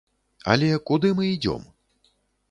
Але куды мы ідзём?